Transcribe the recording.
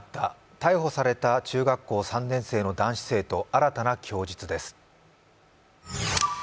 逮捕された中学校３年生の生徒、新たな供述です。